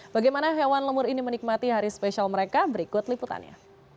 bagaimana hewan lemur ini menikmati hari spesial mereka berikut liputannya